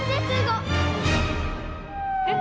えっ？